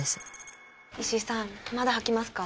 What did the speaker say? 石井さんまだ吐きますか？